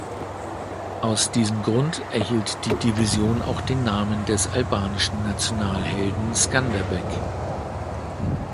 Aus diesem Grund erhielt die Division auch den Namen des albanischen Nationalhelden Skanderbeg.